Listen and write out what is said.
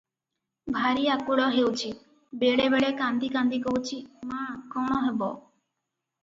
"ଭାରି ଆକୁଳ ହେଉଛି, ବେଳେ ବେଳେ କାନ୍ଦି କାନ୍ଦି କହୁଛି, ମା!କଣ ହେବ?